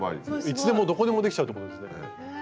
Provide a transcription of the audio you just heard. いつでもどこでもできちゃうってことですね。